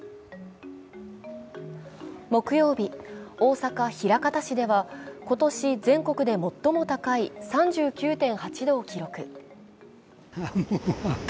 木曜日、大阪・枚方市では今年全国で最も高い３９．８度を記録。